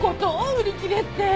売り切れって。